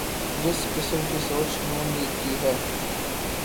جس قسم کی سوچ ن لیگ کی ہے۔